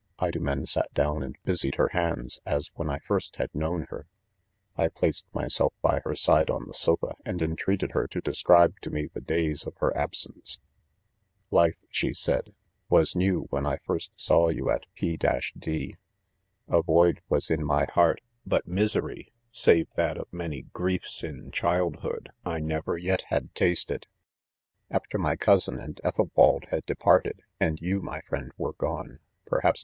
Women sat clown and busied her hands as when I first had known, her, I plaeedr m yself Ijy her side on The~sola, and^nlreated^hef^o ■describe to mo the'days of Ilex absence* " Life , 33 she said. " was new when I first saw 4$ IDOMJEN. • you at' P~ i— •■ t — d. A void was In my heart, •Jbut misery, save that of many griefs in child Iiopdy I never yet; had tasted. ■"After my cousin andEthalwald had depart* edandyou, my friend were, gone, perhaps neve?